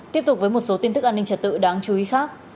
tiếp tục với một số tin tức an ninh trật tự đáng chú ý khác